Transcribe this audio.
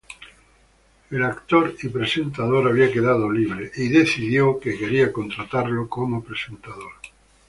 El actor y presentador había quedado libre y decidieron que quería contratarle como presentador.